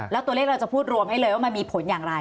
แล้วตัวเลขเราจะพูดรวมให้เลยว่ามันมีผลอย่างไร